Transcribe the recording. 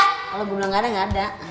kalau gue bilang gak ada gak ada